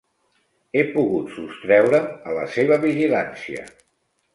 He pogut sostreure'm a la seva vigilància.